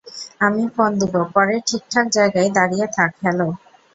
আমি ফোন দিবো পরে ঠিক ঠাক জায়গায় দাঁড়িয়ে থাক হ্যাঁলো?